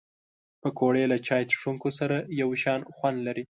پکورې له چای څښونکو سره یو شان خوند لري